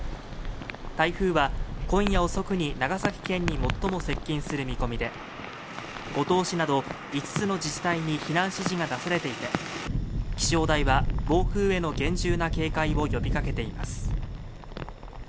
台風は今夜遅くに長崎県に最も接近する見込みで五島市など５つの自治体に避難指示が出されていて気象台は暴風への厳重な警戒を呼びかけています